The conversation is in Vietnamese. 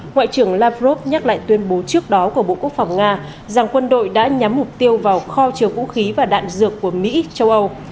ngoại trưởng lavrov nhắc lại tuyên bố trước đó của bộ quốc phòng nga rằng quân đội đã nhắm mục tiêu vào kho chứa vũ khí và đạn dược của mỹ châu âu